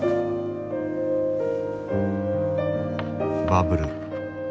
バブル。